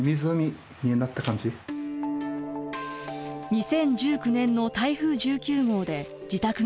２０１９年の台風１９号で自宅が浸水。